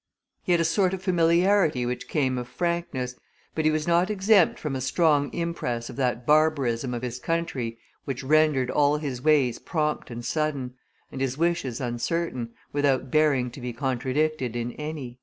He had a sort of familiarity which came of frankness, but he was not exempt from a strong impress of that barbarism of his country which rendered all his ways prompt and sudden, and his wishes uncertain, without bearing to be contradicted in any."